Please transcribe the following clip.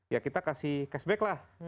ya kita kasih cashback lah